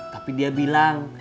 tapi dia bilang